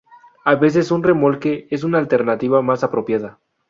A veces un remolque es una alternativa más apropiada.